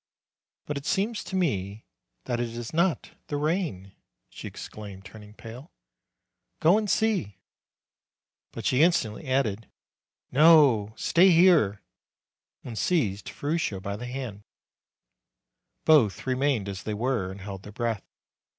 "But it seems to me that it is not the rain!" she exclaimed, turning pale. "Go and see !" But she instantly added, "No; stay here!" and seized Ferruccio by the hand. Both remained as they were, and held their breath.